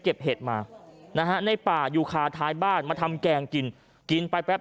เห็ดมานะฮะในป่าอยู่คาท้ายบ้านมาทำแกงกินกินไปแป๊บ